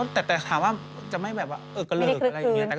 แต่ถามว่าจะไม่แบบเกลือกอะไรอยู่เนี่ย